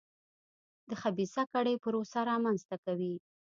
د خبیثه کړۍ پروسه رامنځته کوي.